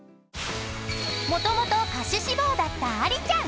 ［もともと歌手志望だったありちゃん］